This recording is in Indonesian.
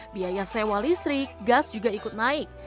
biaya sewa listrik gas juga ikut naik